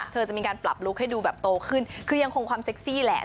เธอจะมีการปรับลุคให้ดูแบบโตขึ้นคือยังคงความเซ็กซี่แหละ